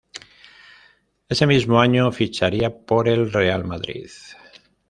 Ese mismo año ficharía por el Real Madrid.